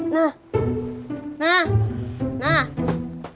nah nah nah